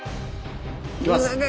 いきます！